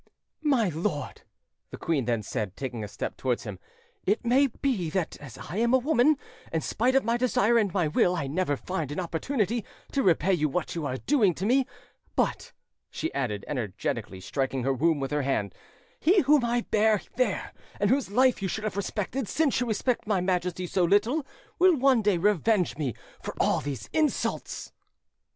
"My lord," the queen then said, taking a step towards him, "it may be that as I am a woman, in spite of my desire and my will, I never find an opportunity to repay you what you are doing to me; but," she added, energetically striking her womb with her hand, "he whom I bear there, and whose life you should have respected, since you respect my Majesty so little, will one day revenge me for all these insults".